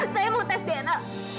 saya mau tes dna